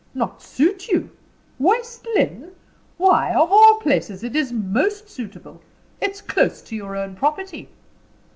"Not suit you? West Lynne! Why, of all places, it is most suitable. It's close to your own property."